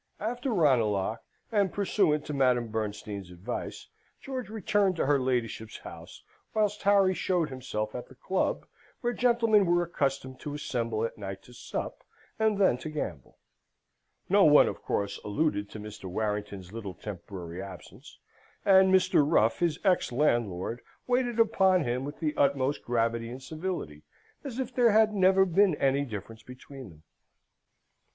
After Ranelagh, and pursuant to Madam Bernstein's advice, George returned to her ladyship's house, whilst Harry showed himself at the club, where gentlemen were accustomed to assemble at night to sup, and then to gamble. No one, of course, alluded to Mr. Warrington's little temporary absence, and Mr. Ruff, his ex landlord, waited upon him with the utmost gravity and civility, and as if there had never been any difference between them.